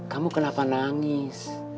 kamu kenapa nangis